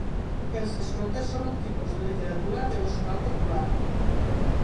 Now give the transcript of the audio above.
Els stotres són un tipus de literatura devocional popular.